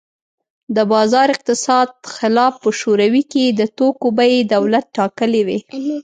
د بازار اقتصاد خلاف په شوروي کې د توکو بیې دولت ټاکلې وې